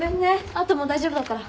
あともう大丈夫だから。